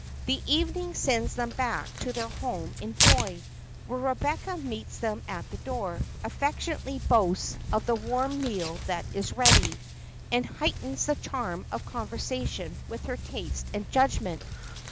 The evening sends them back to their home in joy: where Rebecca meets them at the door, affectionately boasts of the warm meal that is ready, and heightens the charm of conversation with her taste and judgment.